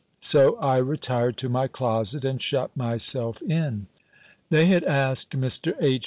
So I retired to my closet, and shut myself in. They had asked Mr. H.